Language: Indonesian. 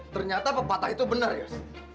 ternyata pepatah itu benar ya